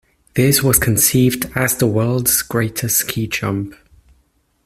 This was conceived as "the world's greatest ski jump".